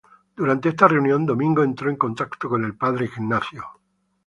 Durante esta reunión Domingo entró en contacto con el padre Ignacio de St.